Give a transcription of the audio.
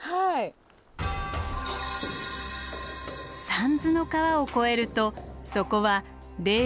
三途の川を越えるとそこは霊場恐山。